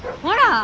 ほら。